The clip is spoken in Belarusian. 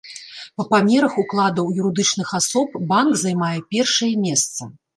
Па памерах укладаў юрыдычных асоб банк займае першае месца.